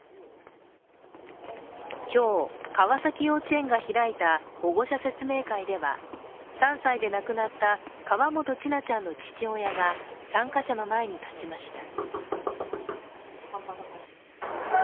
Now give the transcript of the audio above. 今日、川崎幼稚園が開いた保護者説明会では３歳で亡くなった河本千奈ちゃんの父親が参加者の前に立ちました。